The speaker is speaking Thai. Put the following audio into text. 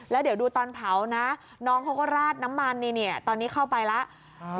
แล้วเดี๋ยวดูตอนเผานะน้องเขาก็ราดน้ำมันนี่ตอนนี้เข้าไปแล้ว